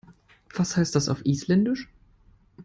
Was heißt das auf Isländisch?